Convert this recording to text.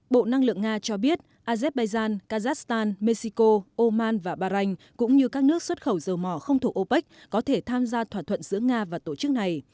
bộ năng lượng nga cho biết azerbaijan kazakhstan mexico oman và bahrain cũng như các nước xuất khẩu dầu mỏ không thuộc opec có thể tham gia thỏa thuận giữa nga và tổ chức này